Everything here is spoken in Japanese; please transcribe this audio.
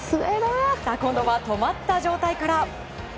今度は止まった状態から。